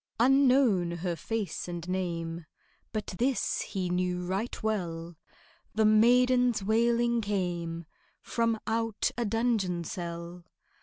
Unknown her face and name, But this he knew right well, The maiden's wailing came From out a dungeon cell.